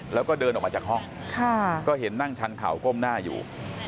แล้วก็เดินออกมาจากห้องก็เห็นนั่งชันเข่าก้มหน้าอยู่